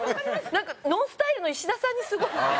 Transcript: なんかＮＯＮＳＴＹＬＥの石田さんにすごい。